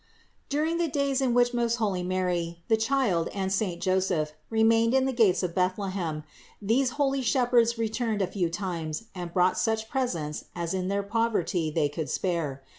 497. During the days in which most holy Mary, the Child and saint Joseph remained in the gates of Bethle hem, these holy shepherds returned a few times and brought such presents as in their poverty they could spare.